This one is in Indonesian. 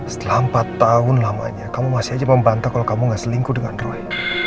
setelah empat tahun lamanya kamu masih aja membantah kalau kamu gak selingkuh dengan roy